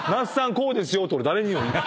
こうですよって俺誰に言うん？